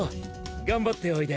頑張っておいで。